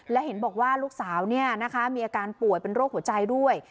และเห็นบอกว่าลูกสาวมีอาการป่วยเป็นโรคหัวใจด้วย